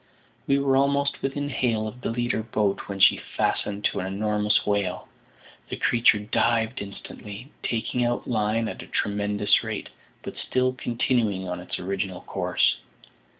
We were almost within hail of the leading boat when she fastened to an enormous whale. The creature dived instantly, taking out line at a tremendous rate, but still continuing on its original course.